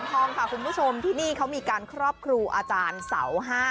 ทองค่ะคุณผู้ชมที่นี่เขามีการครอบครูอาจารย์เสา๕